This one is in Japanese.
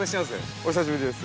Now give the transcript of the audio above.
◆お久しぶりです。